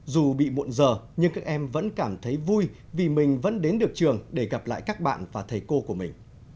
dù bị muộn giờ nhưng các em vẫn cảm thấy vui vì mình vẫn đến được trường để gặp lại các bạn và thầy cô của mình